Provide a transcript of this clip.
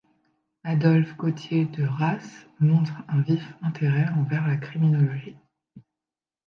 Adolphe Gautier de Rasse montre un vif intérêt envers la criminologie.